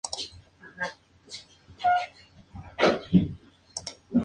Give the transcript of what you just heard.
Su trabajo posterior es menos conocido, aunque ocasionalmente representado.